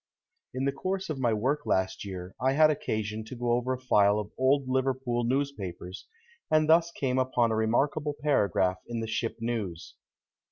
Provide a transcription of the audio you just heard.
In the course of my work last year I had occasion to go over a file of old Liverpool newspapers, and thus came upon a remarkable paragraph in the ship news.